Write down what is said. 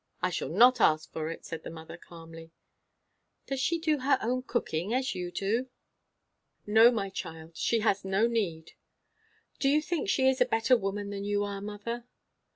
"I shall not ask for it," said the mother calmly. "Does she do her own cooking, as you do?" "No, my child. She has no need." "Do you think she is a better woman than you are, mother?"